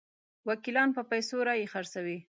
وکیلان په پیسو رایې خرڅوي.